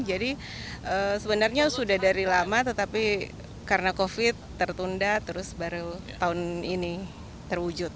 jadi sebenarnya sudah dari lama tetapi karena covid tertunda terus baru tahun ini terwujud